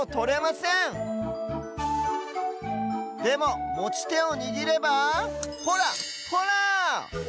でももちてをにぎればほらほら！